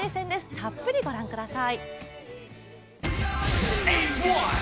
たっぷりご覧ください。